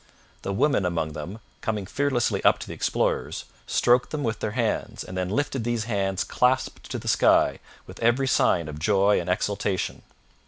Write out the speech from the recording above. The women among them, coming fearlessly up to the explorers, stroked them with their hands, and then lifted these hands clasped to the sky, with every sign of joy and exultation.